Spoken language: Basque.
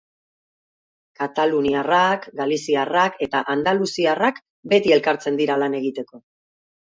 Kataluniarrak, galiziarrak eta andaluziarrak beti elkartzen dira lan egiteko.